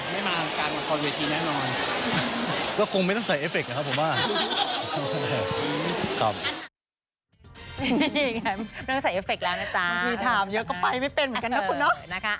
ไม่ต้องใส่เอฟเฟคแล้วนะจ๊ะบางทีถามเยอะกว่าไปไม่เป็นเหมือนกันนะคุณเนาะ